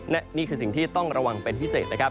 และนี่คือสิ่งที่ต้องระวังเป็นพิเศษนะครับ